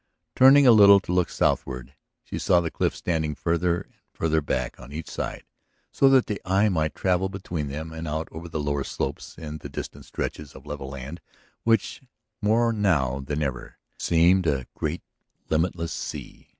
Turning a little to look southward, she saw the cliffs standing farther and farther back on each side so that the eye might travel between them and out over the lower slopes and the distant stretches of level land which, more now than ever, seemed a great limitless sea.